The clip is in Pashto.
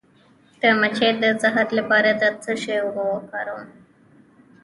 د مچۍ د زهر لپاره د څه شي اوبه وکاروم؟